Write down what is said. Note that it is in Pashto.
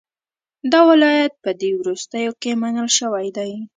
دا ولایت په دې وروستیو کې منل شوی دی.